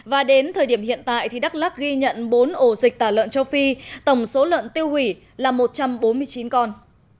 và đến thời điểm hiện tại đắk lắc ghi nhận bốn ổ dịch tả lợn châu phi tổng số lợn tiêu hủy là một trăm bốn mươi chín con